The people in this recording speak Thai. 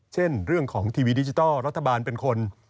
เช่นเรื่องของทีวีดิจิทัลรัฐบาลเป็นคน